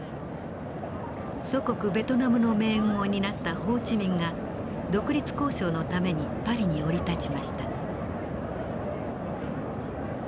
祖国ベトナムの命運を担ったホー・チ・ミンが独立交渉のためにパリに降り立ちました。